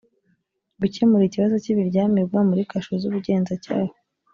gukemura ikibazo cy’ibiryamirwa muri kasho z’ubugenzacyaha